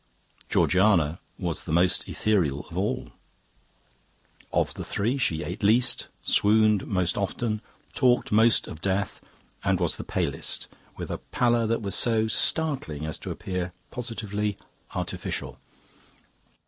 Georgiana was the most ethereal of all; of the three she ate least, swooned most often, talked most of death, and was the palest with a pallor that was so startling as to appear positively artificial.